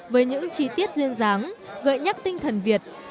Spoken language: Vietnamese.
với những chi tiết duyên dáng gợi nhắc tinh thần việt